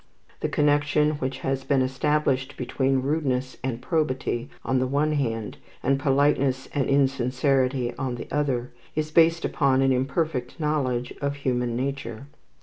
The connection which has been established between rudeness and probity on the one hand, and politeness and insincerity on the other, is based upon an imperfect knowledge of human nature.